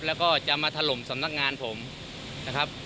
แล้วก็จะมาถล่มสำนักงานผมนะครับ